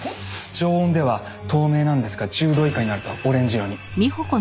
常温では透明なんですが１０度以下になるとオレンジ色に。